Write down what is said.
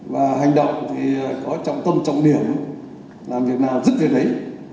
và hành động thì có trọng tâm trọng điểm làm việc nào giúp được đấy